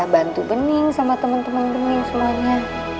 bantu bening sama temen temen bening semuanya